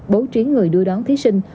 bố trí người đưa đón thí sinh